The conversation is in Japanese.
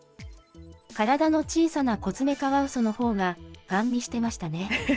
体の小さなコツメカワウソのほうがガン見してましたね。